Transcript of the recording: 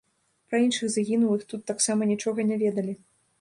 Пра іншых загінулых тут таксама нічога не ведалі.